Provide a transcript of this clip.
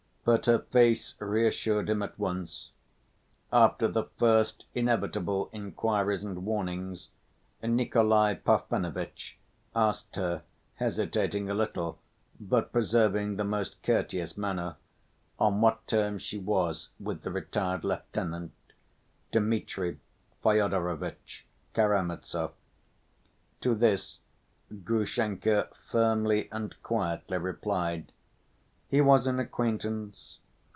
But her face reassured him at once. After the first inevitable inquiries and warnings, Nikolay Parfenovitch asked her, hesitating a little, but preserving the most courteous manner, on what terms she was with the retired lieutenant, Dmitri Fyodorovitch Karamazov. To this Grushenka firmly and quietly replied: "He was an acquaintance.